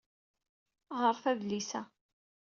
Ɣret adlis-a.